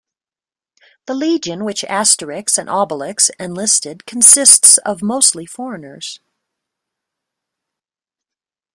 The legion which Asterix and Obelix enlisted consists of mostly foreigners.